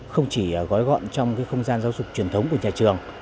không chỉ gói gọn trong không gian giáo dục truyền thống của nhà trường